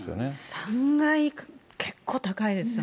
３階、結構高いですよね。